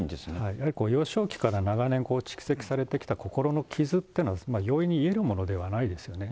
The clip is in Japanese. やはり幼少期から長年、蓄積されてきた心の傷っていうのは、容易に癒えるものではないですよね。